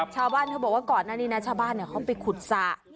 ชาวบ้านเขาบอกว่าก่อนหน้านี้นะชาวบ้านเขาไปขุดสระ